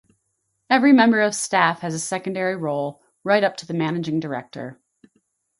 Every member of staff has a secondary roll, right up to the Managing Director.